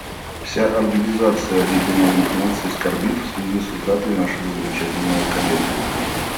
Вся Организация Объединенных Наций скорбит в связи с утратой нашего замечательного коллеги.